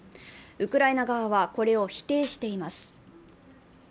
ウクライナ側はこれを否定しています。